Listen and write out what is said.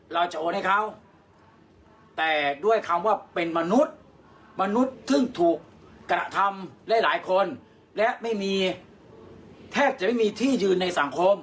และหลายคนและแทบจะไม่มีที่ยืนในสังคม